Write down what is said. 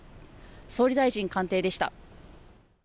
総理大臣官邸でした。